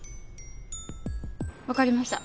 わかりました。